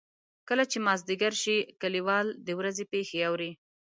کله چې مازدیګر شي کلیوال د ورځې پېښې اوري.